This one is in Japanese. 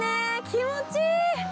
気持ちいい。